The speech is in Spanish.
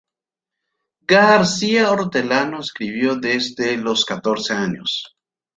García Hortelano escribió desde los catorce años.